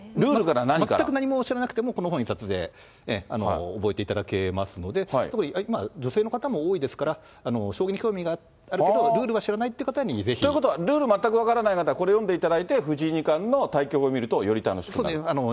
全く何も知らなくても、この本一冊で覚えていただけますので、特に今、女性の方も多いですから、将棋に興味があるけど、ということは、ルール全く分からない方は、これを読んでいただいて、藤井二冠の対局を見ると、より楽しいと。